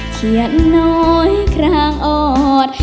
เขียนน้อยคลางอ่อน